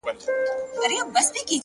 د کوټې کونج تل لږ زیات سکوت لري،